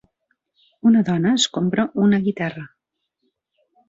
Un dona es compra una guitarra.